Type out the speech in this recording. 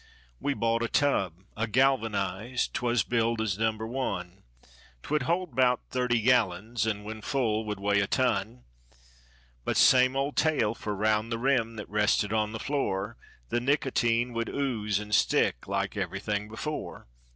We bought a tub, a galvanized, 'twas billed as "Number One;" 'Twould hold 'bout thirty gallons, and when full, would weigh a ton. But same old tale, for 'round the rim that rested on the floor The nicotine would ooze and stick like everything before.